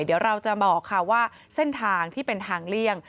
เดี๋ยวเราจะบอกค่ะว่าเส้นทางที่เป็นทางเลี่ยง